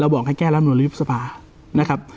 บอกให้แก้รำนวลหรือยุบสภานะครับ